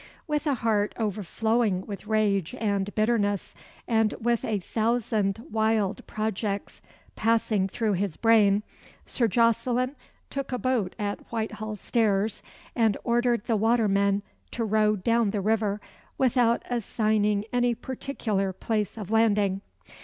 With a heart overflowing with rage and bitterness, and with a thousand wild projects passing through his brain, Sir Jocelyn took a boat at Whitehall stairs, and ordered the watermen to row down the river, without assigning any paticular place of landing.